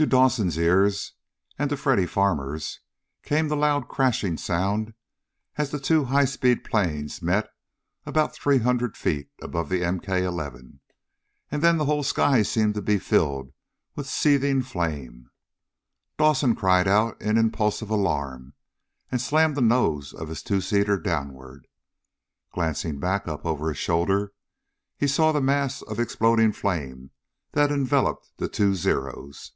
To Dawson's ears, and to Freddy Farmer's, came the loud crashing sound as the two high speed planes met about three hundred feet above the MK 11. And then the whole sky seemed to be filled with seething flame. Dawson cried out in impulsive alarm and slammed the nose of his two seater downward. Glancing back up over his shoulder, he saw the mass of exploding flame that enveloped the two Zeros.